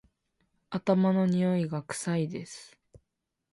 頭のにおいが臭いです